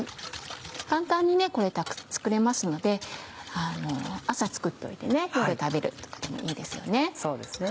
簡単にこれ作れますので朝作っておいてね夜食べるとかでもいいですよね。